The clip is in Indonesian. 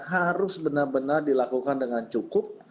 harus benar benar dilakukan dengan cukup